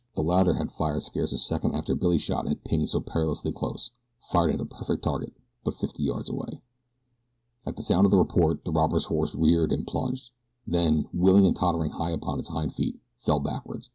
The latter fired scarce a second after Billy's shot had pinged so perilously close fired at a perfect target but fifty yards away. At the sound of the report the robber's horse reared and plunged, then, wheeling and tottering high upon its hind feet, fell backward.